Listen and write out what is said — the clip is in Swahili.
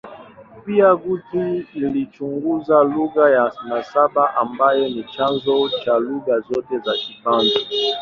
Pia, Guthrie alichunguza lugha ya nasaba ambayo ni chanzo cha lugha zote za Kibantu.